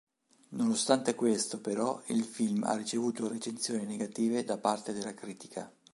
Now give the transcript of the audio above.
Nonostante questo però, il film ha ricevuto recensioni negative da parte della critica.